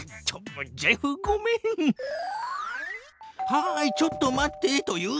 「はいちょっと待って」と言う。